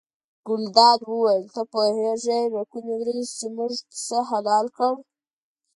ګلداد وویل ته پوهېږې له کومې ورځې چې موږ پسه حلال کړ.